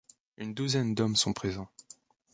Une douzaine d'hommes sont présents.